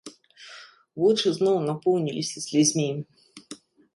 Вочы зноў напоўніліся слязьмі.